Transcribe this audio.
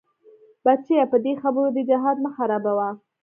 بچيه په دې خبرو دې جهاد مه خرابوه.